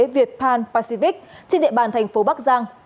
viet pan pacific trên địa bàn thành phố bắc giang